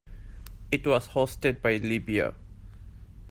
It was hosted by Libya.